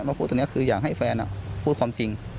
พูดตรงนี้คืออยากให้แฟนพูดความจริง